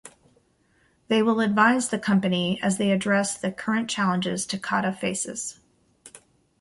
They will advise the Company as they address the current challenges Takata faces.